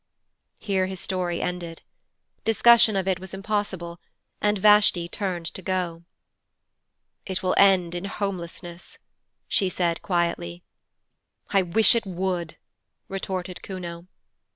Here his story ended. Discussion of it was impossible, and Vashti turned to go. 'It will end in Homelessness,' she said quietly. 'I wish it would,' retorted Kuno.